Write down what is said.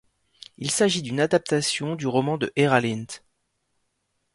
Il s'agit d'une adaptation du roman de Hera Lind.